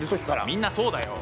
みんなそうだよ。